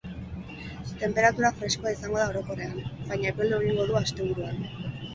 Tenperatura freskoa izango da orokorrean, baina epeldu egingo du asteburuan.